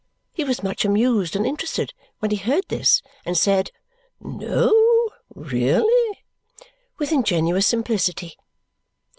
He was much amused and interested when he heard this and said, "No, really?" with ingenuous simplicity.